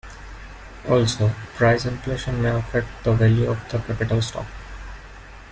Also, price inflation may affect the value of the capital stock.